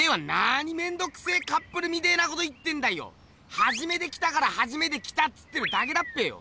はじめて来たからはじめて来たっつってるだけだっぺよ。